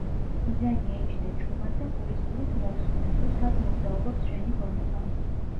მიზანია, იჯდე ჩუმად და გულისყურით მოუსმინო, თუ სად მოგზაურობს შენი გონება.